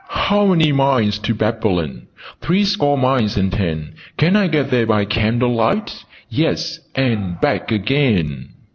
'How many miles to Babylon? Three score miles and ten. Can I get there by candlelight? Yes, and back again!'"